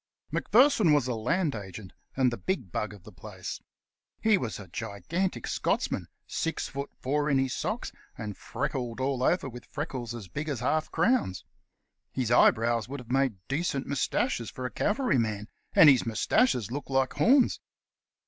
Macpherson was a Land Agent, and the big bug of the place. He was a gigantic Scotchman, six feet four in his socks, and freckled all over with freckles as big as half crowns. His eyebrows would have made decent sized moustaches for a cavalryman, and his moustaches looked like horns.